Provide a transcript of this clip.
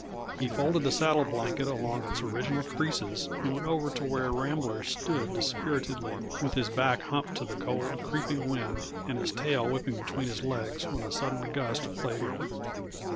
He folded the saddle blanket along its original creases and went over to where Rambler stood dispiritedly with his back humped to the cold, creeping wind and his tail whipping between his legs when a sudden gust played with it.